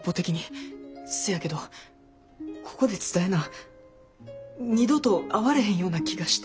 せやけどここで伝えな二度と会われへんような気がして。